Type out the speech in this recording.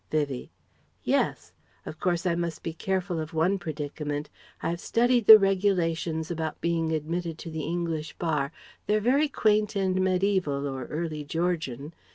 Vivie: "Yes. Of course I must be careful of one predicament. I have studied the regulations about being admitted to the English Bar. They are very quaint and medieval or early Georgian.